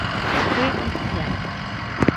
Fue cristiano.